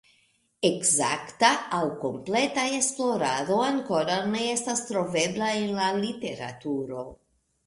Ekzakta aŭ kompleta esplorado ankoraŭ ne estas trovebla en la literaturo.